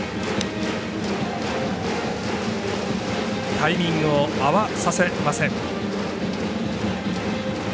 タイミングを合わさせません。